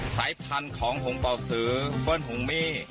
สายพันธุ์ของโหงเป่าสือเฟิร์นโฮมมี่